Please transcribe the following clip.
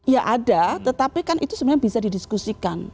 ya ada tetapi kan itu sebenarnya bisa didiskusikan